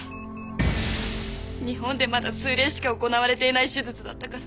日本でまだ数例しか行われていない手術だったから。